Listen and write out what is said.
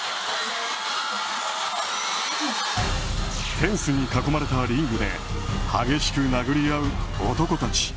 フェンスに囲まれたリングで激しく殴り合う男たち。